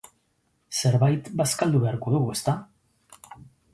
Zerbait bazkaldu beharko dugu, ezta?